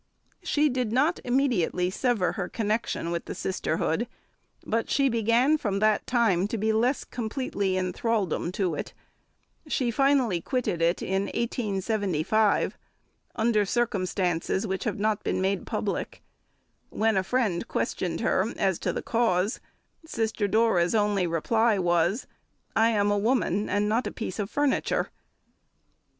She did not immediately sever her connection with the sisterhood, but she began from that time to be less completely in thraldom to it. She finally quitted it in 1875, under circumstances which have not been made public. When a friend questioned her as to the cause, Sister Dora's only reply was, "I am a woman, and not a piece of furniture."